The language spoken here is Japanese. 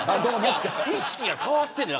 意識が変わってんねん。